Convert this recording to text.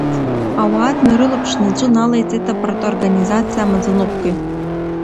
Ауаа днарылаԥшны аҵәы налеиҵеит апарторганизациа амаӡаныҟәгаҩ.